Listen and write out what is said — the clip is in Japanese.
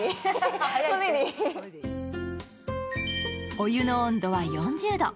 お湯の温度は４０度。